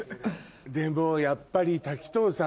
でもやっぱり滝藤さん